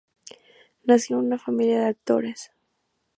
Nació en una familia de actores.